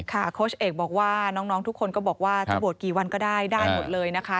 โค้ชเอกบอกว่าน้องทุกคนก็บอกว่าจะบวชกี่วันก็ได้ได้หมดเลยนะคะ